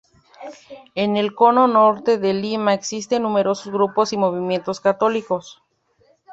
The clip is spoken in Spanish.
En el Cono Norte de Lima existen numerosos grupos y movimientos católicos.